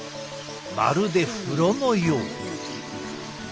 まるで風呂のよう。